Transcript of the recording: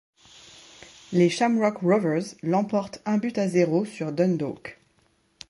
Les Shamrock Rovers l'emporte un but à zéro sur Dundalk.